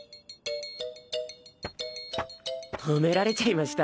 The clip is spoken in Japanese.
ほめられちゃいました。